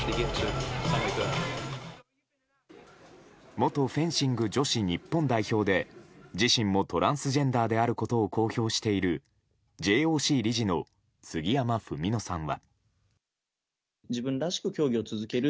元フェンシング女子日本代表で自身もトランスジェンダーであることを公表しているＪＯＣ理事の杉山文野さんは。